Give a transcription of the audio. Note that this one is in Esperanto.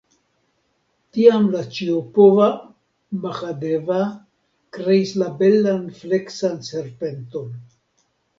Tiam la ĉiopova Mahadeva kreis la belan, fleksan serpenton.